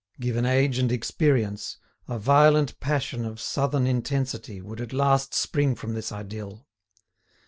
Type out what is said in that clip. Given age and experience, a violent passion of southern intensity would at last spring from this idyll.